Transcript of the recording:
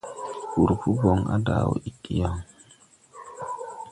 Wurpo boŋe á daʼ wɔ iggi yaŋ.